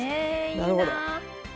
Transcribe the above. なるほど。